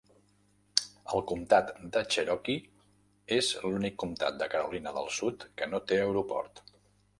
El comtat de Cherokee és l'únic comtat de Carolina del Sud que no té aeroport.